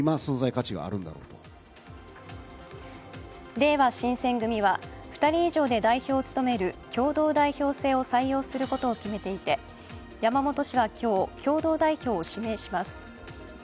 れいわ新選組は２人以上で代表を務める共同代表制を採用することを決めていて山本氏は今日、共同代表を指名します。